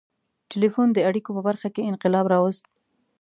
• ټیلیفون د اړیکو په برخه کې انقلاب راوست.